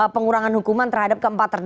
pengurangan hukuman terhadap keempat terdakwa